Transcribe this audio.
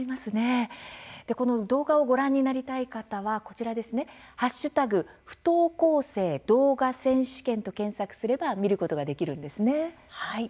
この動画をご覧になりたい方は、こちら「＃不登校生動画選手権」と検索すれば見ることができるんですね。